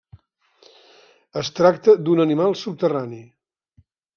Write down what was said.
Es tracta d'un animal subterrani.